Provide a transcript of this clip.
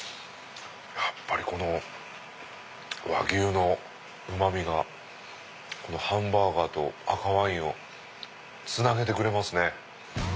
やっぱり和牛のうま味がハンバーガーと赤ワインをつなげてくれますね。